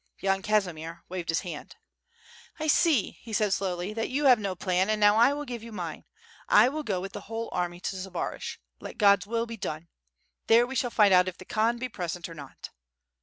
Yan Kazimier waved his hand. "I see," said he, slowly, "that you have no plan and now I will give you mine. I will go with the whole army to Zbaraj. Let God's will be done! There we shall find out if the Khan be present or not."